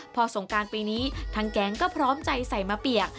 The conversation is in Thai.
พอสงการปีนี้ทางแก๊งก็พร้อมใจใส่มาเปียก